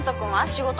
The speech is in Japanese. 仕事？